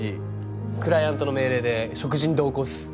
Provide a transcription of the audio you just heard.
ＢＧクライアントの命令で食事に同行っす。